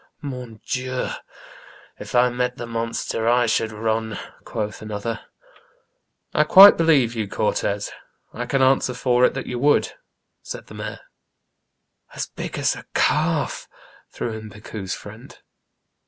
Mon Dieu ! if I met the monster, I should run," quoth another. " I quite believe you, Cortrez ; I can answer for it that you would;" said the mayor. 1—2 4 THE BOOK OF WERE WOLVES. As big as a calf," threw in Picou's friend.